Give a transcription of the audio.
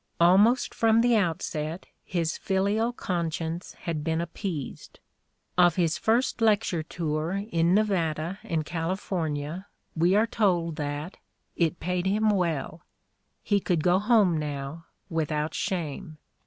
Almost from the outset his filial conscience had been appeased: of his first lecture tour in Nevada and Cali fornia we are told that "it paid him well; he could go home now, without shame."